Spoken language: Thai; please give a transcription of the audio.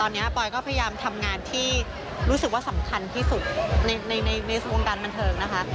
ตอนนี้ปอยก็พยายามทำงานที่รู้สึกว่าสำคัญที่สุดในวงการบันเทิงนะคะ